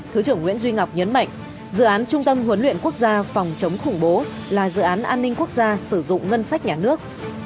thứ trưởng nguyễn duy ngọc nhấn mạnh dự án trung tâm huấn luyện quốc gia phòng chống khủng bố là dự án an ninh quốc gia sử dụng ngân sách nhà nước